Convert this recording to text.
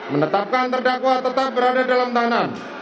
menetapkan terdakwa tetap berada dalam tahanan